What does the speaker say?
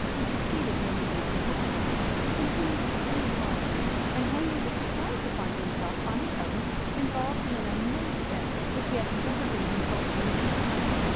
who succeeded him in the papal throne, continued the same policy, and Henry was surprised to find himself on a sudden involved in an immense debt, which he had never been consulted in contracting.